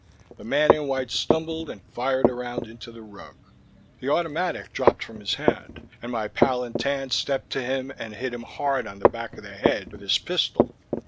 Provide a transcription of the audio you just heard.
The man in white stumbled and fired a round into the rug. The automatic dropped from his hand, and my pal in tan stepped to him and hit him hard on the back of the head with his pistol.